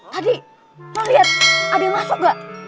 tadi lo liat ada yang masuk gak